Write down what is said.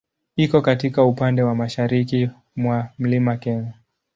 Iko katika upande wa mashariki mwa Mlima Kenya.